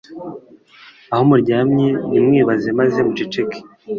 aho muryamye nimwibaze, maze muceceke